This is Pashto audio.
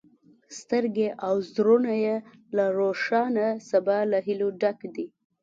سترګې او زړونه یې له روښانه سبا له هیلو ډک دي.